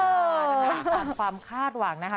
นะคะตามความคาดหวังนะคะ